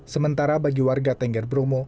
sementara bagi warga tengger bromo